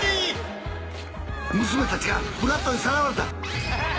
娘たちがブラットにさらわれた！